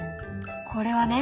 これはね